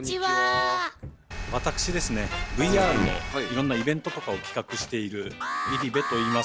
私ですねＶＲの色んなイベントとかを企画している入部といいます。